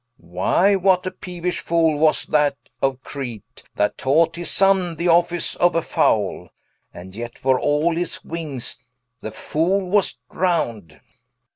Why what a peeuish Foole was that of Creet, That taught his Sonne the office of a Fowle, And yet for all his wings, the Foole was drown'd Hen.